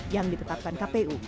yang dipetarkan kpi